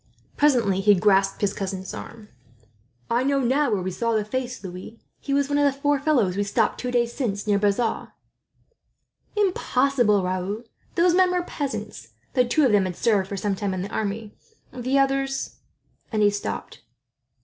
Presently he grasped his cousin's arm. "I know where we saw the face now, Louis. He was one of the four fellows we stopped, two days since, near Bazas." "Impossible, Raoul! Those men were peasants, though two of them had served for a time in the army; the others " and he stopped.